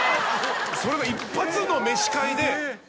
それが一発の飯会で。